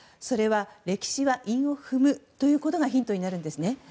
それは歴史は韻を踏むということがヒントになるんです。